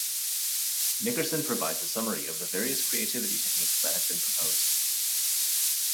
Nickerson provides a summary of the various creativity techniques that have been proposed.